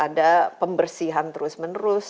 ada pembersihan terus menerus